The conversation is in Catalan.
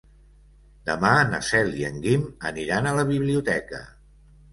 Demà na Cel i en Guim aniran a la biblioteca.